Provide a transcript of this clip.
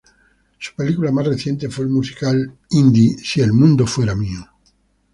Su película más reciente fue el musical indie "Si el mundo fuera mío".